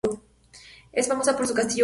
Es famosa por su castillo barroco.